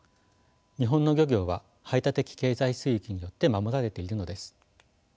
日本の漁業は排他的経済水域によって守られているのです。